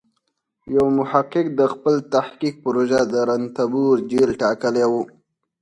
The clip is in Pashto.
یو محقق د خپل تحقیق پروژه د رنتبور جېل ټاکلی و.